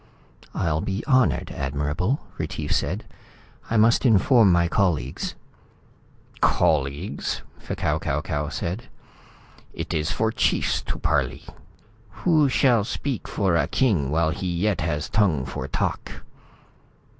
"I'll be honored, Admirable," Retief said. "I must inform my colleagues." "Colleagues?" F'Kau Kau Kau said. "It is for chiefs to parley. Who shall speak for a king while he yet has tongue for talk?"